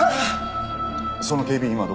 その警備員